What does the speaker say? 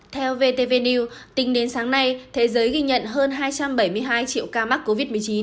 theo vtv new tính đến sáng nay thế giới ghi nhận hơn hai trăm bảy mươi hai triệu ca mắc covid một mươi chín